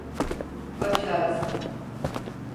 Baş ağrısı.